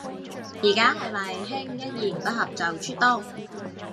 而家係咪興一言不合就出刀